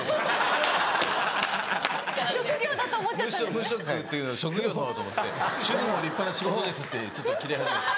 ムショクっていうのを職業のほうだと思って「主婦も立派な仕事です」ってちょっとキレ始めて。